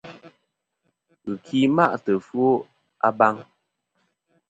Ghɨki ma'tɨ ɨfwo a baŋ.